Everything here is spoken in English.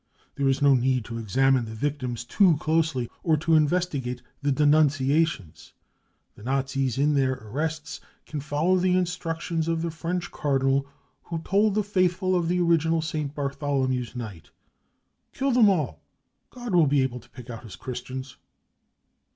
There 3 g is no need to examine the victims too closely or to investi gate the Enunciations ; the Nazis in their arrests can follow the instructions of the French cardinal who told the faithful on the original St. Bartholomew's Night :" Kill them all, God will be able to pick out his Christians